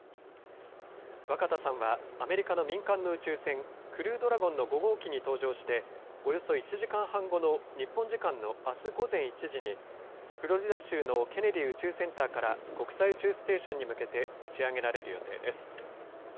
若田さんはアメリカの民間の宇宙船クルードラゴンの５号機に搭乗しておよそ１時間半後の日本時間のあす午前１時にフロリダ州のケネディ宇宙センターから国際宇宙ステーションに向けて打ち上げられる予定です。